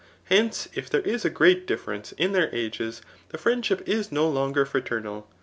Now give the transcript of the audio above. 'Hence, if there is .a great difference in their ages, the inendship is no longer fraternal.